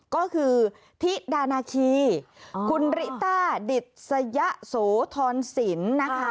ก็คือธิดานาคีคุณริต้าดิษยะโสธรสินนะคะ